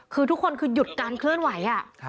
คือทุกคนคือหยุดการเคลื่อนไหว